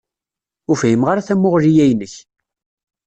Ur fhimeɣ ara tamuɣli-ya-inek.